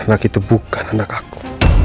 anak itu bukan anak aku